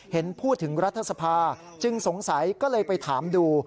เห็นพูดถึงรัฐสภาจึงสงสัยก็เลยไปถามดู